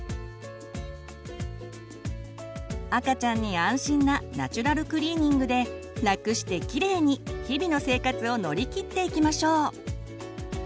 赤ちゃんに安心なナチュラルクリーニングでラクしてキレイに日々の生活を乗り切っていきましょう！